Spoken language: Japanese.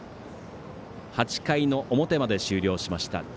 ８回の表まで終了しました。